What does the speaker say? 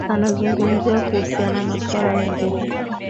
anazungumzia kuhusiana na swala ya libya